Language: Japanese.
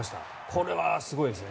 これはすごいですね。